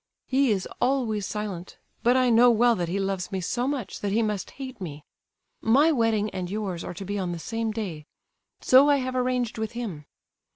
"He is always silent, but I know well that he loves me so much that he must hate me. My wedding and yours are to be on the same day; so I have arranged with him.